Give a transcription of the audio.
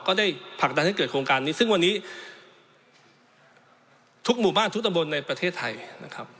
ได้ผลักดันให้เกิดโครงการนี้ซึ่งวันนี้ทุกหมู่บ้านทุกตำบลในประเทศไทยนะครับ